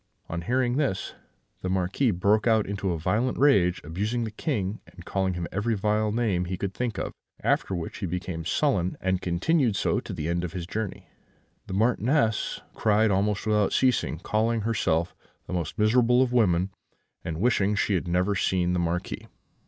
On hearing this, the Marquis broke out into a violent rage, abusing the King, and calling him every vile name he could think of; after which he became sullen, and continued so to the end of his journey. The Marchioness cried almost without ceasing, calling herself the most miserable of women, and wishing she had never seen the Marquis.